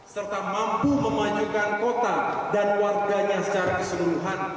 serta mampu memajukan kota dan warganya secara keseluruhan